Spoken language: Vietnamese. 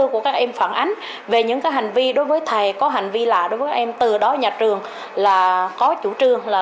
của một thầy giáo trong trường